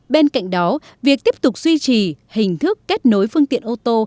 bên cạnh đó việc tiếp tục duy trì hình thức kết nối phương tiện ô tô